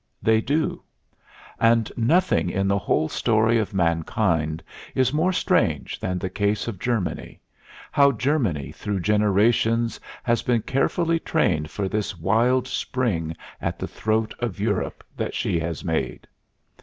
They do; and nothing in the whole story of mankind is more strange than the case of Germany how Germany through generations has been carefully trained for this wild spring at the throat of Europe that she has made.